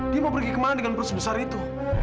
dia mau pergi ke mana dengan perus besar itu